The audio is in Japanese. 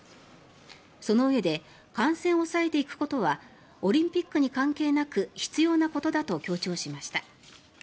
そのうえで感染を抑えていくことはオリンピックに関係なく必要なことだと強調しました。